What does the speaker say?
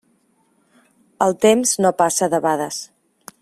El temps no passa debades.